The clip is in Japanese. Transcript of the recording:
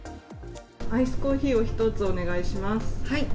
アイスコーヒーを１つお願いします。